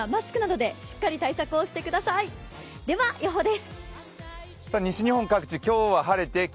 では予報です。